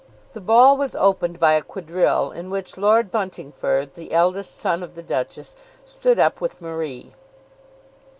The ball was opened by a quadrille in which Lord Buntingford, the eldest son of the Duchess, stood up with Marie.